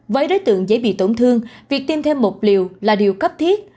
với đối tượng dễ bị tổn thương việc tiêm thêm một liều là điều cấp thiết